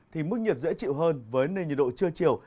thì mức nhiệt dễ chịu hơn với nền nhiệt độ trưa chiều